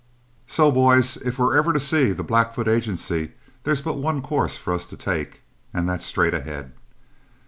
So, boys, if we're ever to see the Blackfoot Agency, there's but one course for us to take, and that's straight ahead.